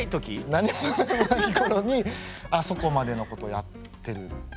何にもない頃にあそこまでのことをやってるんで。